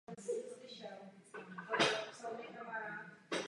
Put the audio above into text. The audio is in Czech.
A to z dobrého důvodu!